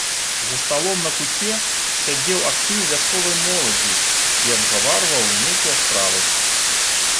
За сталом на куце сядзеў актыў вясковай моладзі і абгаварваў нейкія справы.